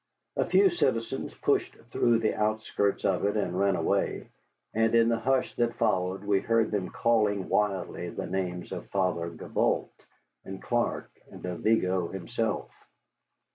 A few citizens pushed through the outskirts of it and ran away, and in the hush that followed we heard them calling wildly the names of Father Gibault and Clark and of Vigo himself.